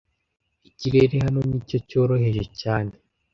Ikirere hano ni cyoroheje cyane,